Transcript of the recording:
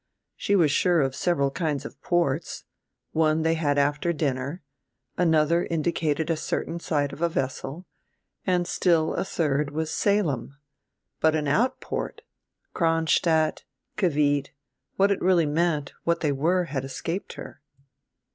She was sure of several kinds of ports one they had after dinner, another indicated a certain side of a vessel, and still a third was Salem. But an outport Cronstadt, Cavite, what it really meant, what they were, had escaped her.